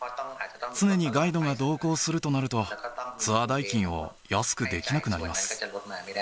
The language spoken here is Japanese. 常にガイドが同行するとなると、ツアー代金を安くできなくなりま